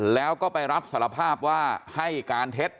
แล้วก็ไปรับสารภาพว่าให้การเท็จ